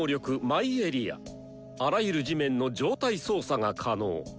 あらゆる地面の状態操作が可能。